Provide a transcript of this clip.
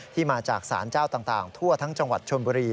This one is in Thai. ที่มาจากสารเจ้าต่างทั่วทั้งจังหวัดชนบุรี